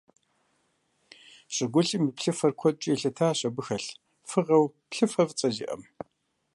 ЩӀыгулъым и плъыфэр куэдкӀэ елъытащ абы хэлъ фыгъэу плъыфэ фӀыцӀэ зиӀэм.